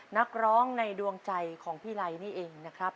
นักร้องในดวงใจของพี่ไลนี่เองนะครับ